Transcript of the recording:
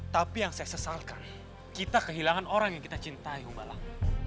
tapi yang saya sesalkan kita kehilangan orang yang kita cintai humbalang